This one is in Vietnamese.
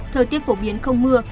thời tiết phổ biến không mưa